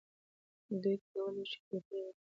دوی کولی شي توپیر وکړي.